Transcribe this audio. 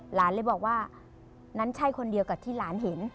หลานเลยบอกว่านั้นใช่คนเดียวกับที่หลานเห็น